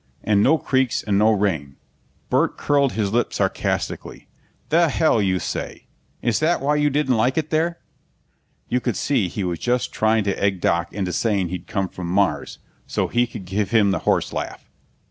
"And no creeks and no rain." Burt curled his lip sarcastically. "The hell you say! Is that why you didn't like it there?" You could see he was just trying to egg Doc into saying he'd come from Mars, so he could give him the horse laugh.